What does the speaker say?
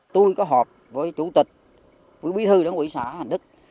tôi có họp với chủ tịch với bí thư đồng quỹ xã hành đức